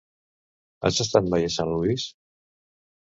Has estat mai a Sant Lluís?